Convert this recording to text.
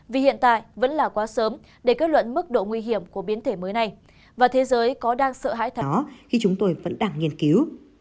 vì hiện tại vẫn là quá sớm để kết luận mức độ nguy hiểm của biến thể mới này và thế giới có đang sợ hãi thó khi chúng tôi vẫn đang nghiên cứu